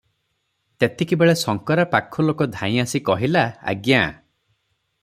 ତେତିକିବେଳେ ଶଙ୍କରା ପାଖଲୋକ ଧାଇଁ ଆସି କହିଲା, "ଆଜ୍ଞା!